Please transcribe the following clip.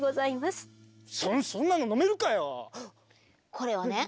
これをね